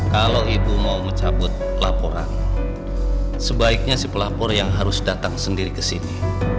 kalau ibu mau mencabut laporan sebaiknya si pelapor yang harus datang sendiri ke sini